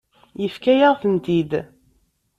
Yefka-yaɣ-tent-id.